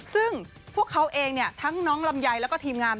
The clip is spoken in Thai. ซึ่งพวกเขาเองทั้งน้องลำไยแล้วก็ทีมงาน